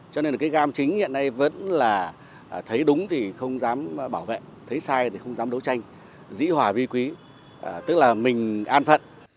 cho nên là cái gam chính hiện nay vẫn là thấy đúng thì không dám bảo vệ thấy sai thì không dám đấu tranh dĩ hòa vi quý tức là mình an phận